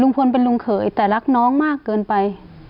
เป็นลุงเขยแต่รักน้องมากเกินไป